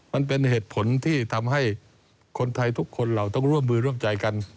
มันเป็นเหตุผลที่ทำให้คนไทยทุกคนเราต้องร่วมมือร่วมใจกัน